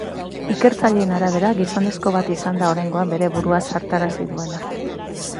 Ikertzaileen arabera, gizonezko bat izan da oraingoan bere burua zartarazi duena.